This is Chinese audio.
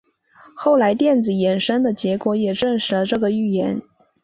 后来电子衍射的结果也证实了这个预言。